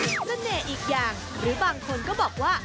เสน่ห์อีกอย่างหรือบางคนก็บอกว่า